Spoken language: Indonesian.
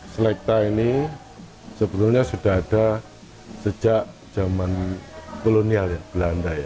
selekta ini sebenarnya sudah ada sejak zaman kolonial belanda